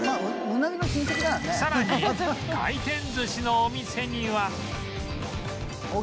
さらに回転寿司のお店には